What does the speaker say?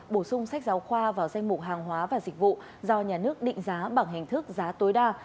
bổ sung sách giáo khoa vào danh mục hàng hóa và dịch vụ do nhà nước định giá bằng hình thức giá tối đa